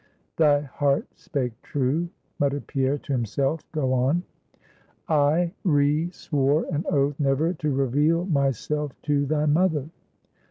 "Thy heart spake true," muttered Pierre to himself; "go on." "I re swore an oath never to reveal myself to thy mother."